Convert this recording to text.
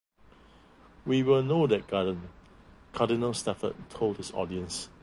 We will know that garden, Cardinal Stafford told his audience.